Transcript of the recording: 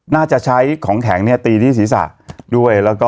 น่าจะใช้ของแข็งเนี่ยตีที่ศีรษะด้วยแล้วก็